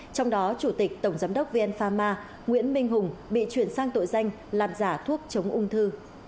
trong đó chủ tịch tổng giám đốc vn pharma nguyễn minh hùng bị chuyển sang tội danh làm giả thuốc chống ung thư